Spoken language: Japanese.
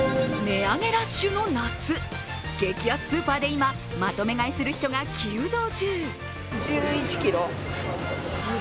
値上げラッシュの夏、激安スーパーで今、まとめ買いする人が急増中。